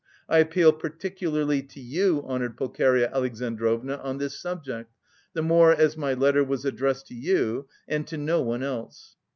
I appeal particularly to you, honoured Pulcheria Alexandrovna, on this subject, the more as my letter was addressed to you and to no one else."